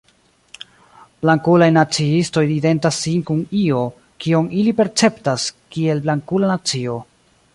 Blankulaj naciistoj identas sin kun io, kion ili perceptas kiel "blankula nacio.